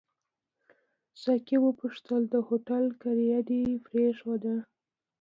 ساقي وپوښتل: د هوټل کرایه دې پرېښوده؟